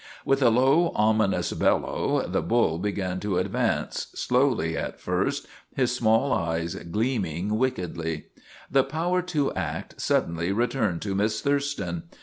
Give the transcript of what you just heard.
With a low, ominous bellow the bull began to ad vance, slowly at first, his small eyes gleaming wickedly. The power to act suddenly returned to Miss Thurston.